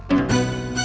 tidak mungkin kum